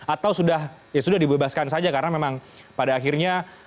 atau sudah dibebaskan saja karena memang pada akhirnya